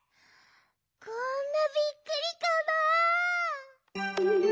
こんなびっくりかな？